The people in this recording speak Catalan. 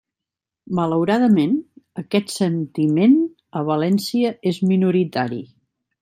Malauradament, aquest sentiment a València és minoritari.